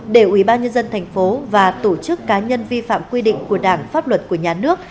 để ubnd tp và tổ chức cá nhân vi phạm quy định của đảng pháp luật của nhà nước